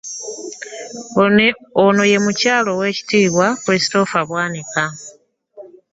Ono ye Mukyala w'Oweekitiibwa Christopher Bwanika